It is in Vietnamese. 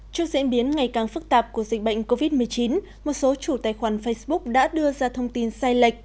trước diễn biến ngày càng phức tạp của dịch bệnh covid một mươi chín một số chủ tài khoản facebook đã đưa ra thông tin sai lệch